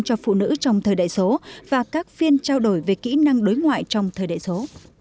cho phụ nữ trong thời đại số và các phiên trao đổi về kỹ năng đối ngoại trong thời đại số